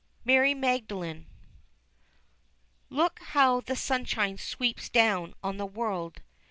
MARY MAGDALENE. Look how the sunshine sweeps down on the world!